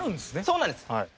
そうなんです。